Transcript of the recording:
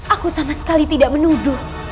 aku sama sekali tidak menuduh